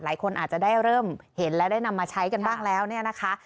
หลายคนอาจจะได้เริ่มเห็นและได้นำมาใช้กันบ้างแล้วเนี่ยนะคะ